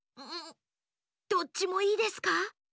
どっちもいいですか？